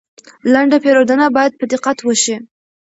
لنډه پیرودنه باید په دقت وشي.